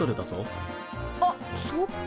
あっそっか。